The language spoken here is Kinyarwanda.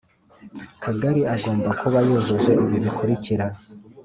Kagari agomba kuba yujuje ibi bikurikira